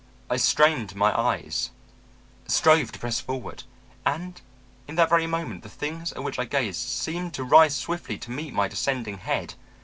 I strained my eyes, strove to press forward, and in that very moment the things at which I gazed seemed to rise swiftly to meet my descending head.